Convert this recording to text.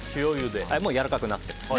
もうやわらかくなっています。